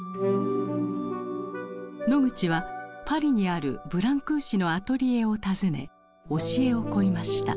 ノグチはパリにあるブランクーシのアトリエを訪ね教えを請いました。